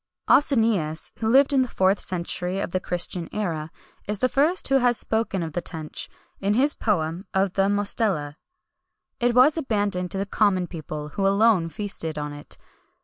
Ausonius, who lived in the 4th century of the Christian era, is the first who has spoken of the tench, in his poem of the "Mostella."[XXI 191] It was abandoned to the common people, who alone feasted on it.